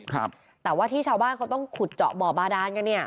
ครับแต่ว่าที่ชาวบ้านเขาต้องขุดเจาะบ่อบาดานกันเนี่ย